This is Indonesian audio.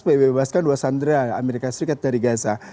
bebebaskan dua sandera as dari gaza